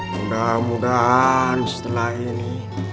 mudah mudahan setelah ini